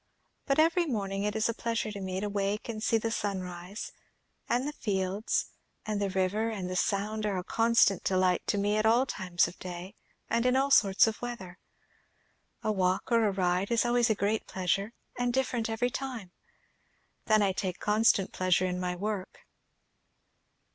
But every morning it is a pleasure to me to wake and see the sun rise; and the fields, and the river, and the Sound, are a constant delight to me at all times of day, and in all sorts of weather. A walk or a ride is always a great pleasure, and different every time. Then I take constant pleasure in my work."